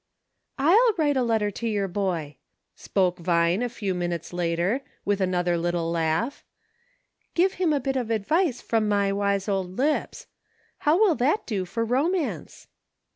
"/'//write a letter to your boy," spoke Vine, a few minutes later, with another little laugh, "give him a bit of advice from my wise old lips. How will that do for romance